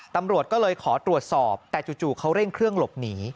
ตำรวจก็เลยขอตรวจสอบแต่จู่เขาเร่งเครื่องหลบหนี